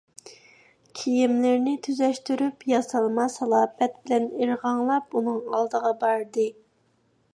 كىيىملىرىنى تۈزەشتۈرۈپ، ياسالما سالاپەت بىلەن ئىرغاڭلاپ ئۇنىڭ ئالدىغا باردى.